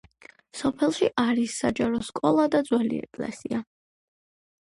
სოფელში არის საჯარო სკოლა და ძველი ეკლესია.